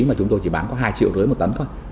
mà chúng tôi chỉ bán có hai triệu rưỡi một tấn thôi